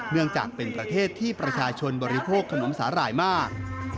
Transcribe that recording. เนื่องจากเป็นประเทศที่ประชาชนบริโภค